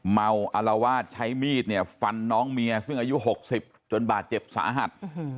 เมลซ์อะไรวาดใช้มีดฟันน้องเมียอายุ๖๐จนบาดเจ็บสะหัส